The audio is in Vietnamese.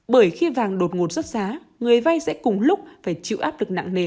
bởi khi vàng đột ngột rớt giá người vay sẽ cùng lúc phải chịu áp lực nặng nề